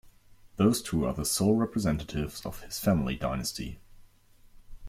Those two are the sole representatives of his family dynasty.